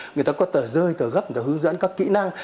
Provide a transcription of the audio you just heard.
người ta có tờ rơi tờ gấp người ta hướng dẫn các kỹ năng